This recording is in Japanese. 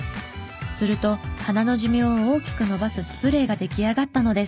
すると花の寿命を大きく延ばすスプレーが出来上がったのです。